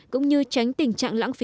cũng như tránh tình trạng lãng phí